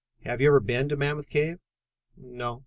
"Have you ever been to Mammoth Cave?" "No."